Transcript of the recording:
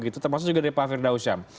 termasuk juga dari pak firdausyam